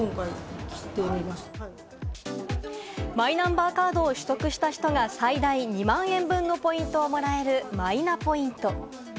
マイナンバーカードを取得した人が最大２万円分のポイントをもらえるマイナポイント。